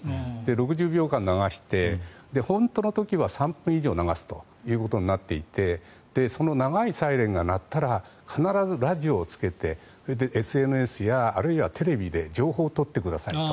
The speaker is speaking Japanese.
６０秒間流して本当の時は３分以上流すということになっていてその長いサイレンが鳴ったら必ずラジオをつけてＳＮＳやあるいはテレビで情報を取ってくださいと。